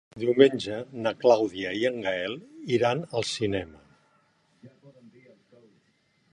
Diumenge na Clàudia i en Gaël iran al cinema.